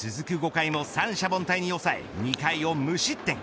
５回も三者凡退に抑え２回を無失点。